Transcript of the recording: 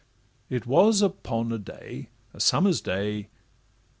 It was upon a day, a summer's day.